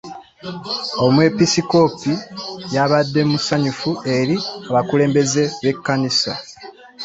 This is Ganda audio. Omwepisikoopi yabadde musanyufu eri abakulembeze b'ekkanisa.